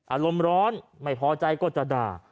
อารมณ์ร้อนไม่พอใจก็จะด่า